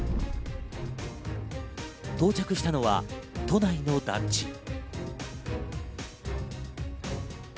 到着したのは都内の団地。